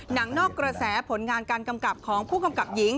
นอกกระแสผลงานการกำกับของผู้กำกับหญิง